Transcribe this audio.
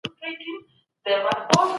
اخلاق تمدن جوړوي.